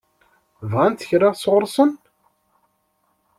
Bɣant kra sɣur-sen?